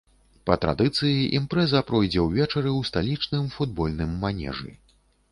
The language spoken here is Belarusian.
Па традыцыі імпрэза пройдзе ўвечары ў сталічным футбольным манежы.